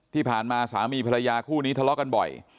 ที่ผ่านมาสามีภรรยาคู่นี้ทะเลาะกันบ่อย